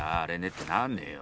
ってなんねえよ。